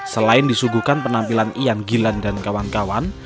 selain disuguhkan penampilan ian gilan dan kawan kawan